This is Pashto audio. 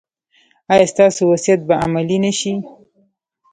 ایا ستاسو وصیت به عملي نه شي؟